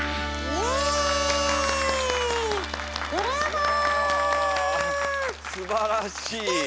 おおすばらしい。